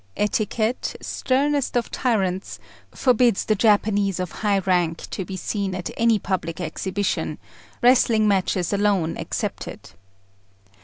Etiquette, sternest of tyrants, forbids the Japanese of high rank to be seen at any public exhibition, wrestling matches alone excepted.